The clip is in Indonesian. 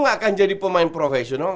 gak akan jadi pemain profesional